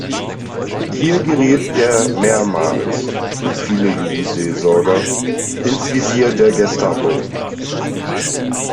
Hier geriet er mehrmals, wie viele Jugendseelsorger, ins Visier der Gestapo.